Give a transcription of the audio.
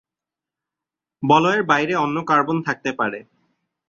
বলয়ের বাইরে অন্য কার্বন থাকতে পারে।